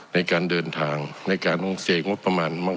ในการเดินทางในการต้องเสียงบประมาณบ้าง